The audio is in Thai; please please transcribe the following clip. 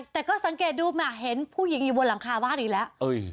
แต่ก็สังเกตดูแหมเห็นผู้หญิงอยู่บนหลังคาบ้านอีกแล้ว